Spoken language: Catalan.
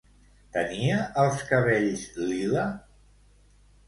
Tenia els cabells lila?